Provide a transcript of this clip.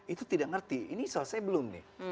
itu tidak ngerti ini selesai belum nih